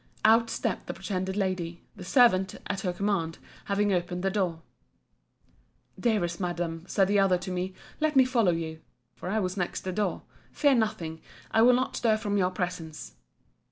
Out stept the pretended lady; the servant, at her command, having opened the door. Dearest Madam, said the other to me, let me follow you, [for I was next the door.] Fear nothing: I will not stir from your presence.